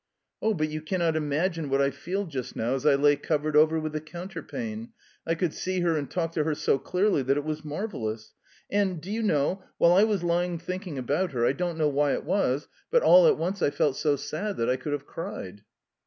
"Oh, but you cannot imagine what I feel just now, as I lay covered over with the counterpane, I could see her and talk to her so clearly that it was marvellous! And, do you know, while I was lying thinking about her I don't know why it was, but all at once I felt so sad that I could have cried."